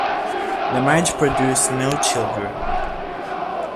The marriage produced no children.